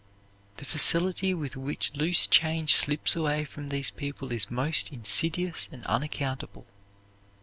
The facility with which loose change slips away from these people is most insidious and unaccountable.